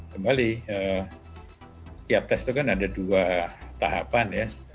kembali setiap tes itu kan ada dua tahapan ya